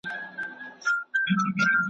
د اوسني پاکستان پېښور ښار ته کډوال شو